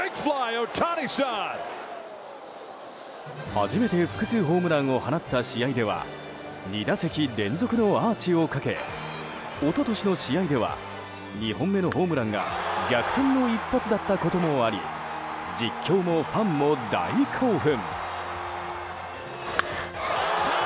初めて複数ホームランを放った試合では２打席連続のアーチをかけ一昨年の試合では２本目のホームランが逆転の一発だったこともあり実況もファンも大興奮。